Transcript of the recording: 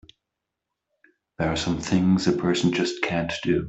There are some things a person just can't do!